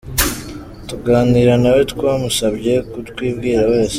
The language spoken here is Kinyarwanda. Tuganira na we twamusabye kutwibwira wese.